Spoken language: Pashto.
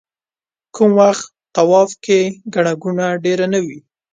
کوم وخت طواف کې ګڼه ګوڼه ډېره نه وي.